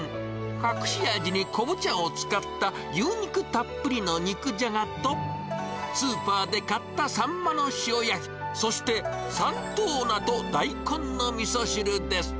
隠し味に昆布茶を使った牛肉たっぷりの肉じゃがと、スーパーで買ったサンマの塩焼き、そして山東菜と大根のみそ汁です。